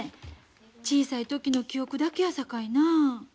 小さい時の記憶だけやさかいなあ。